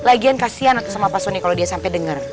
lagian kasihan sama pak sony kalau dia sampai denger